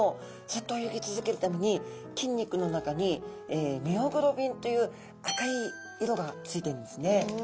ずっと泳ぎ続けるために筋肉の中にミオグロビンという赤い色がついてるんですね。